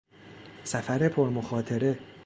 سفر پرمخاطره